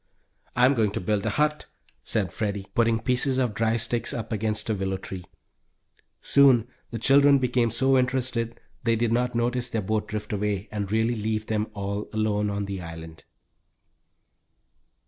"I'm going to build a hut," said Freddie, putting pieces of dry sticks up against a willow tree. Soon the children became so interested they did not notice their boat drift away, and really leave them all alone on the island!